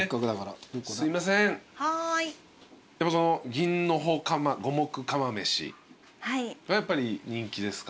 銀の穂五目釜めしがやっぱり人気ですか？